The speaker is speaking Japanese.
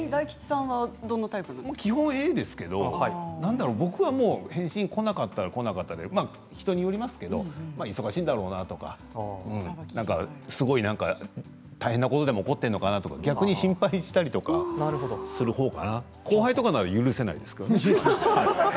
僕は基本的にＡですけれどなんなら僕が返信こなかったらこなかったで人によりますからよりますけど忙しいんだろうなとか大変なことでも起こっているんじゃないかなと逆に心配したするほうかな後輩とかなら許せないですけどね。